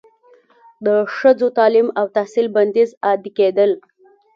د ښځو تعلیم او تحصیل بندیز عادي کیدل